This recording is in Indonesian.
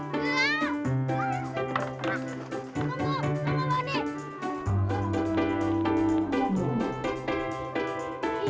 bangku bangku bawa ini